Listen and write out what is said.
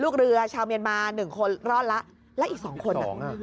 ลูกเรือชาวเมียนมา๑คนรอดแล้ว